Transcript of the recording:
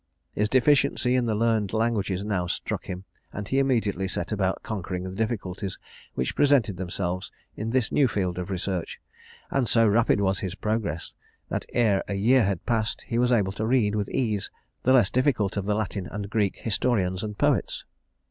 His deficiency in the learned languages now struck him, and he immediately set about conquering the difficulties which presented themselves in this new field of research; and so rapid was his progress, that ere a year had passed, he was able to read with ease the less difficult of the Latin and Greek historians and poets.